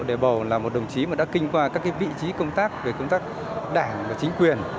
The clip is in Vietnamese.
để bầu là một đồng chí mà đã kinh qua các vị trí công tác về công tác đảng và chính quyền